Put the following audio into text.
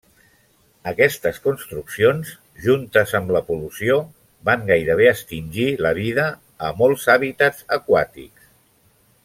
Aquestes construccions, juntes amb la pol·lució van gairebé extingir la vida a molts hàbitats aquàtics.